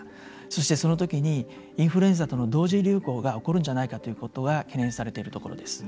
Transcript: そして、その時にインフルエンザとの同時流行が起こるんじゃないかということは懸念されているところです。